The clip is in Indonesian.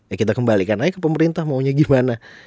ya kita kembalikan aja ke pemerintah maunya gimana